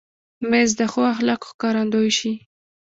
مېز د ښو اخلاقو ښکارندوی شي.